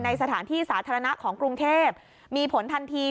สถานที่สาธารณะของกรุงเทพมีผลทันที